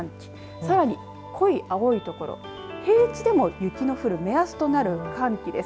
さらに濃い青い所平地でも雪の降る目安となる寒気です。